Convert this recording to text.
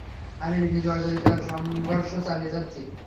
আমি ঋণে-জর্জরিত আর সংঘর্ষ চালিয়ে যাচ্ছি।